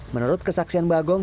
menurut kesaksian bagong